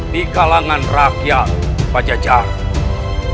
di kalangan rakyat pejajaran